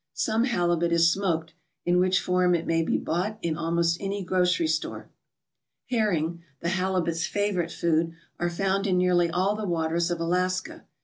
Some halibut is smoked, in which form it may be bought in almost any grocery store. Herring, the halibut's favourite food, are found in nearly all the waters of Alaska.